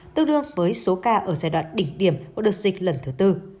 tương đương với số ca ở giai đoạn đỉnh điểm của đợt dịch lần thứ tư